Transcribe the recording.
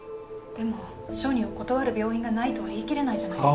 でも小児を断る病院がないとは言い切れないじゃないですか。